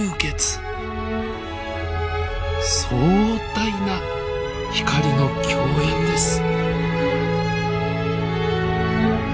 壮大な光の競演です。